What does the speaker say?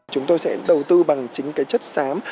chúng tôi sẽ đầu tư bằng chính cái chất xám